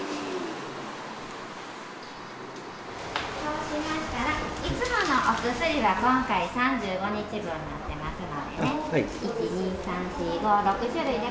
そうしましたら、いつものお薬が今回３５日分になってますのでね。